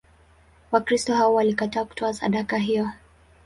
Wakristo hao walikataa kutoa sadaka hiyo.